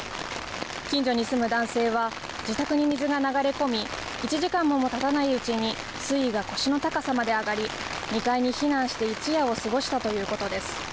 近所に住む男性は、自宅に水が流れ込み、１時間もたたないうちに水位が腰の高さまで上がり、２階に避難して一夜を過ごしたということです。